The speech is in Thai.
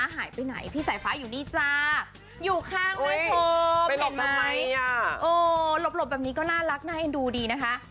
หลบแบบนี้ก็น่ารักน่ายดูดีนะคะ